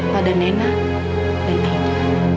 pada nena dan aida